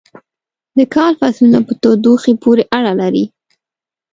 د کال فصلونه په تودوخې پورې اړه لري.